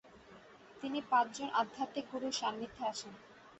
তিনি পাচঁজন আধ্যাত্মিক গুরুর সান্নিধ্যে আসেন।